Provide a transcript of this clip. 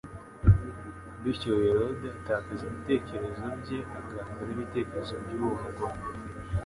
Bityo Herode atakaza ibitekerezo bye maze aganzwa n'ibitekerezo by'uwo mugore.